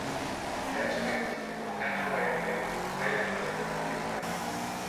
Er erstreckt sich über Montana, Wyoming und Teile des nördlichen Utah.